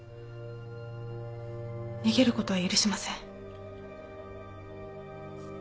逃げることは許しません。